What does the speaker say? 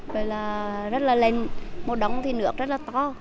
rồi là rất là lên một đống thì nước rất là to